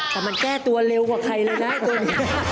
แต่มันแก้ตัวเร็วกว่าใครเลยนะตัวเอง